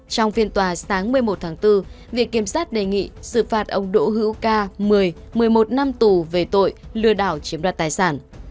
trong phiên tòa sáng một mươi một tháng bốn viện kiểm sát đề nghị xử phạt ông đỗ hữu ca một mươi một mươi một năm tù về tội lừa đảo chiếm đoạt tài sản